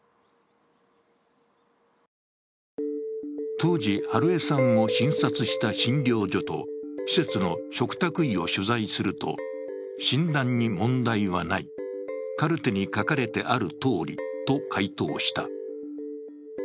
当時、美枝さんを診察した診療所と施設の嘱託医を取材すると、診断に問題はない、カルテに書かれてあるとおりと回答した。